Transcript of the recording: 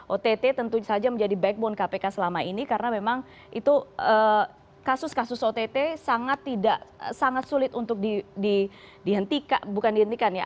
ott tentu saja menjadi backbone kpk selama ini karena memang itu kasus kasus ott sangat sulit untuk dihentikan